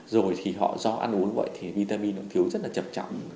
rồi thì họ do ăn uống vậy thì vitamin cũng thiếu rất là chậm chậm